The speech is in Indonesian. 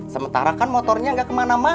sementara kan motornya nggak kemana mana